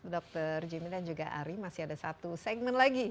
dr jimmy dan juga ari masih ada satu segmen lagi